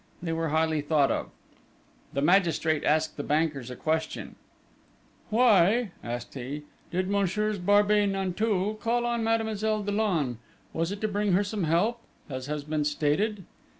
They were highly thought of. The magistrate asked the bankers a question. "Why," asked he, "did Messieurs Barbey Nanteuil call on Mademoiselle Dollon? Was it to bring her some help, as has been stated?"